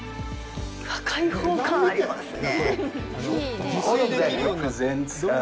開放感ありますね。